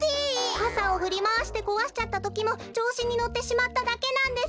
かさをふりまわしてこわしちゃったときもちょうしにのってしまっただけなんです！